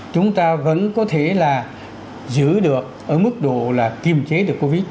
chúng ta vẫn có thể là giữ được ở mức độ là kiềm chế được covid